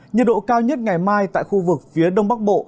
nhiệt độ cao nhất ngày mai tại khu vực phía đông bắc bộ